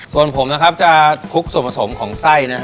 ส่วนผมจะคุกส่วนผสมของไส้